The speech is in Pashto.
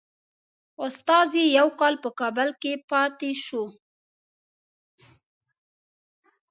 استازی یو کال په کابل کې پاته شو.